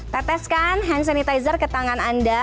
teteskan hand sanitizer ke tangan anda